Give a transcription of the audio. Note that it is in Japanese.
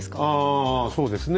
ああそうですね。